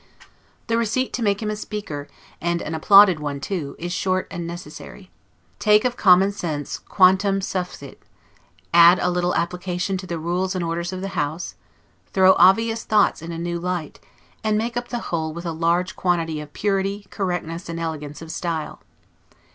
The receipt to make a speaker, and an applauded one too, is short and easy. Take of common sense 'quantum sufcit', add a little application to the rules and orders of the House, throw obvious thoughts in a new light, and make up the whole with a large quantity of purity, correctness, and elegance of style.